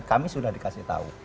kami sudah dikasih tahu